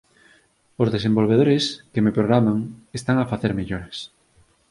Os desenvolvedores que me programan están a facer melloras.